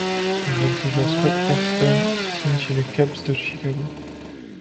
Le voltigeur Scott Hairston signe chez les Cubs de Chicago.